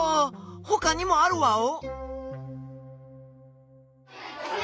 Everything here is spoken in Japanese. ほかにもあるワオ？